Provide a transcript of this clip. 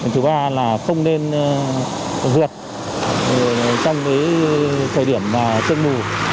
thứ ba là không nên vượt trong thời điểm sương mù